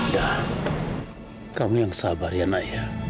dan kamu yang sabar ya naya